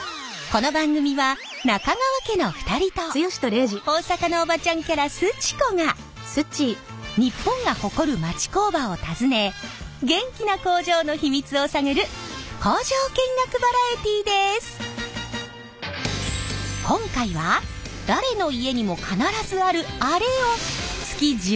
この番組は中川家の２人と大阪のおばちゃんキャラすち子が日本が誇る町工場を訪ね元気な工場の秘密を探る今回は誰の家にも必ずあるあれを月１０万箱作っている工場。